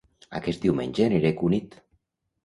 Aquest diumenge aniré a Cunit